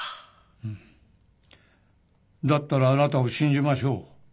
うんだったらあなたを信じましょう。